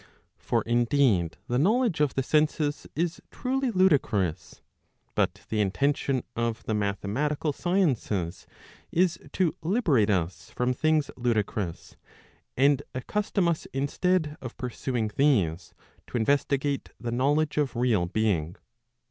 For indeed the knowledge of the senses is truly ludicrous; but the intention of the mathematical sciences is to liberate us from things ludicrous, and accustom us instead of pursuing these, to investigate the knowledge of real being.